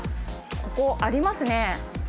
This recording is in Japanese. ここありますね。